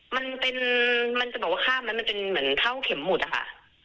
มันเป็นมันจะบอกว่าข้ามนั้นมันเป็นเหมือนเท่าเข็มหมุดอะค่ะ